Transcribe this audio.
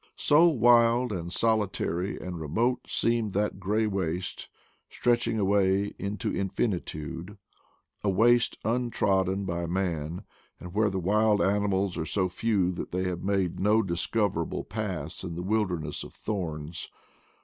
So wild and soli tary and remote seemed that gray waste, stretch ing away into infinitude, a waste untrodden by man, and where the wild animals are so few that they have made no discoverable path in the wilder ness of thorns.